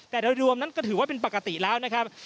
แต่โดยรวมนั้นก็ถือว่าเป็นปกติแล้วนะครับ